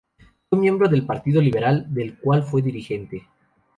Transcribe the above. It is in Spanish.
Fue miembro del Partido Liberal, del cual fue dirigente.